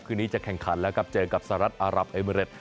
คืนนี้จะแข่งขันแล้วครับเจอกับสหรัฐอารับเอเมริต